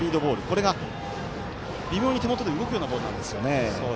これが微妙に手元で動くようなボールなんですよね。